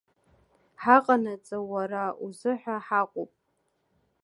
Ҳаҟанаҵы уара узыҳәа ҳа-ҟоуп!